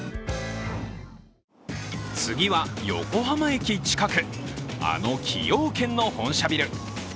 次は横浜駅の近く、あの崎陽軒の本社ビル。